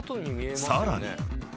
［さらに］